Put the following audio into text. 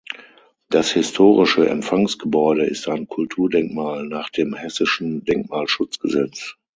Das historische Empfangsgebäude ist ein Kulturdenkmal nach dem Hessischen Denkmalschutzgesetz.